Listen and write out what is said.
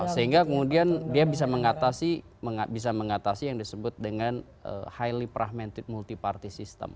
sehingga kemudian dia bisa mengatasi yang disebut dengan highly fragmented multi party system